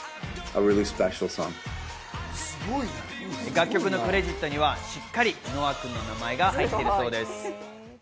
楽曲のクレジットにはしっかりノア君の名前が入っているそうです。